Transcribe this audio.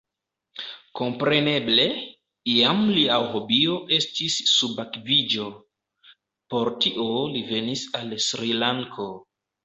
Kompreneble, iam lia hobio estis subakviĝo: por tio li venis al Sri-Lanko.